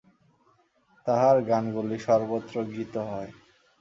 তাঁহার গানগুলি সর্বত্র গীত হয়।